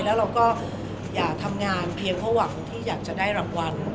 แล้วเราก็อย่าทำงานเพียงเพราะหวังที่อยากจะได้รางวัล